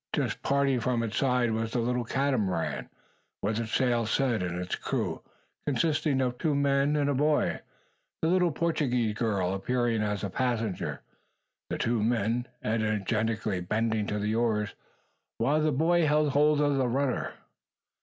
Just parting from its side was the little Catamaran, with its sail set, and its crew, consisting of two men and a boy, the little Portuguese girl appearing as a passenger, the two men energetically bending to the oars while the boy held hold of the rudder.